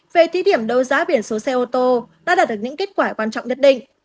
về thí điểm đấu giá biển số xe ô tô đã đạt được những kết quả quan trọng nhất định